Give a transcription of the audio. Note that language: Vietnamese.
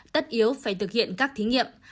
tất yếu phải thực hiện các thí nghiệm